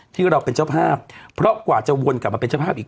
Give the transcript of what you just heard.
ที่เราเป็นเจ้าภาพเพราะกว่าจะวนกลับมาเป็นเจ้าภาพอีก